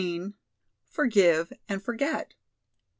"Forgive and Forget."